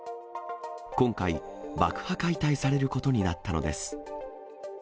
今回、爆破解体されることになったのです。